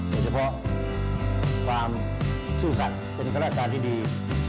โดยเฉพาะความสู้สัตว์เป็นแรกการที่ดี